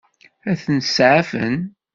Ad ten-seɛfen?